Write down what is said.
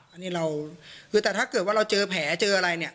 อันนี้เราคือแต่ถ้าเกิดว่าเราเจอแผลเจออะไรเนี่ย